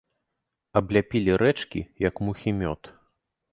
Абляпілі рэчкі, як мухі мёд.